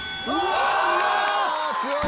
強い！